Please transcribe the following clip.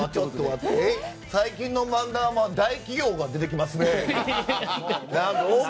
最近の漫談は大企業が出てきますね。